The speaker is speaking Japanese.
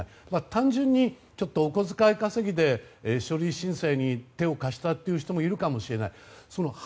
単純にお小遣い稼ぎで書類申請に手を貸したという人もいるかもしれない。